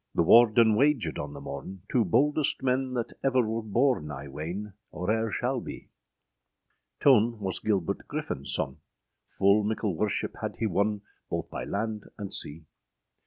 â The Warden wagèd {135b} on the morne, Two boldest men that ever wer borne, I weyne, or ere shall bee: Tone was Gilbert Griffin sonne, Ful mickle worship hadde hee wonne, Both by land and sea.